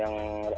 yang zona merah